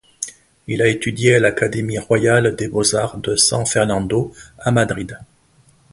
Il a étudié à l'Académie royale des beaux-arts de San Fernando à Madrid.